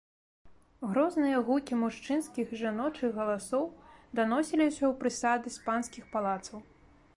Грозныя гукі мужчынскіх і жаночых галасоў даносіліся ў прысады з панскіх палацаў.